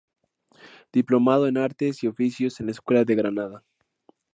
Diplomado en Artes y Oficios en la Escuela de Granada.